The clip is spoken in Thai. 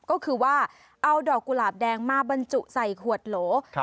ก็คือว่าเอาดอกกุหลาบแดงมาบรรจุใส่ขวดโหล